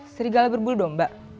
serigala berbulu domba